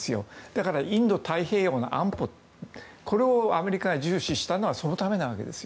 だからインド太平洋の安保をアメリカが重視したのはそのためなわけです。